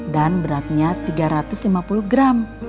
dan beratnya tiga ratus lima puluh gram